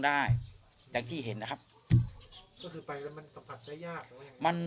ได้จากที่เห็นนะครับก็คือไปมันสัมผัสได้ยากมัน